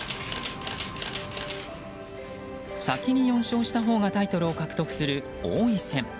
先に４勝したほうがタイトルを獲得する王位戦。